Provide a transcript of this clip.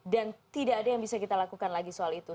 dan tidak ada yang bisa kita lakukan lagi soal itu